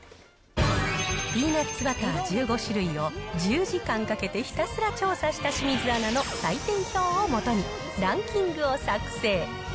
ピーナッツバター１５種類を、１０時間かけてひたすら調査した清水アナの採点表を基に、ランキングを作成。